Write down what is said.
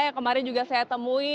yang kemarin juga saya temui